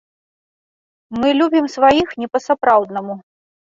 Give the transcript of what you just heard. Мы любім сваіх не па-сапраўднаму.